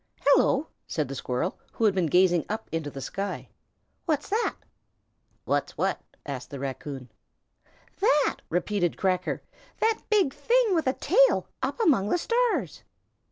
"Hello!" said the squirrel, who had been gazing up into the sky, "what's that?" "What's what?" asked the raccoon. "That!" repeated Cracker. "That big thing with a tail, up among the stars."